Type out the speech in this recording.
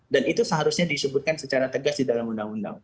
dan itu seharusnya disebutkan secara tegas di dalam undang undang